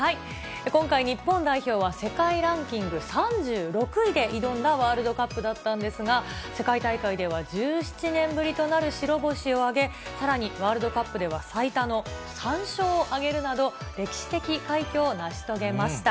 今回、日本代表は世界ランキング３６位で挑んだワールドカップだったんですが、世界大会では１７年ぶりとなる白星を挙げ、さらにワールドカップでは最多の３勝を挙げるなど、歴史的快挙を成し遂げました。